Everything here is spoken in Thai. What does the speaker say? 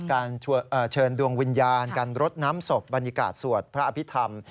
การเชิญดวงวิญญาณการรดน้ำศพบรรยากาศสวดพระอภิษฐรรม